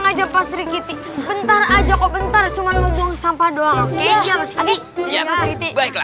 aja pasri kiti bentar aja kok bentar cuma buang sampah doang ya